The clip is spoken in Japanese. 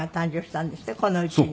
このうちに。